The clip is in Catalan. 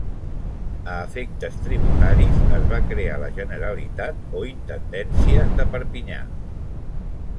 A efectes tributaris, es va crear la Generalitat o Intendència de Perpinyà.